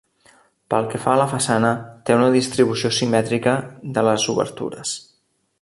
Pel que fa a la façana, té una distribució simètrica de les obertures.